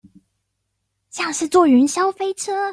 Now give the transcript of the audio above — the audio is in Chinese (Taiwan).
像是坐雲霄飛車